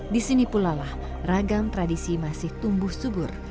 di sini pulalah ragam tradisi masih tumbuh subur